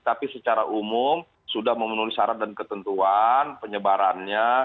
tapi secara umum sudah memenuhi syarat dan ketentuan penyebarannya